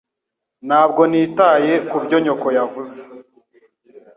Ntabwo nitaye kubyo nyoko yavuze